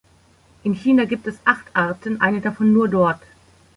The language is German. In China gibt es acht Arten, eine davon nur dort.